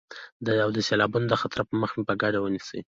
او د سيلابونو د خطر مخه په ګډه ونيسئ.